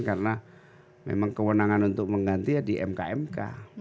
karena memang kewenangan untuk mengganti ya di mk mk